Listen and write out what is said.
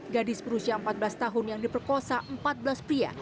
gadis berusia empat belas tahun yang diperkosa empat belas pria